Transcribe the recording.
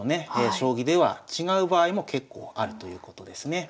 将棋では違う場合も結構あるということですね。